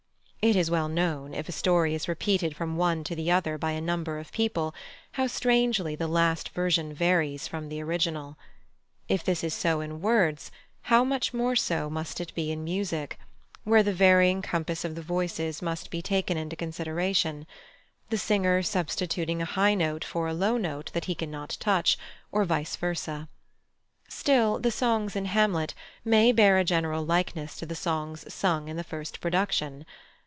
It is well known, if a story is repeated from one to the other by a number of people, how strangely the last version varies from the original. If this is so in words, how much more so must it be in music, where the varying compass of the voices must be taken into consideration: the singer substituting a high note for a low note that he cannot touch, or vice versâ. Still, the songs in Hamlet may bear a general likeness to the songs sung in the first production.